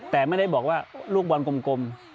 แต่ไม่ได้บอกว่าลูกบอลกลม